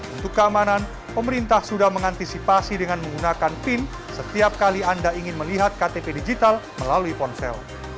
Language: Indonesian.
untuk keamanan pemerintah sudah mengantisipasi dengan menggunakan pin setiap kali anda ingin melihat ktp digital melalui ponsel